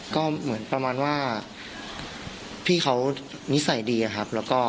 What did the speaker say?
ก็เหมือนประมาณว่าพี่เขานิสัยดีครับ